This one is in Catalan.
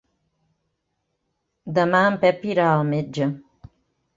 Demà en Pep irà al metge.